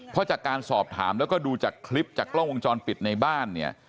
เพราะจากการสอบถามแล้วก็ดูจากคลิปจากกล้องวงจรปิดในบ้านเนี่ย